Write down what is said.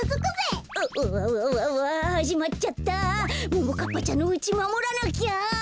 ももかっぱちゃんのうちまもらなきゃ！